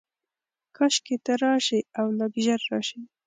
کاشکي ته راشې، اولږ ژر راشې